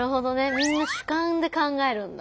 みんな主観で考えるんだ。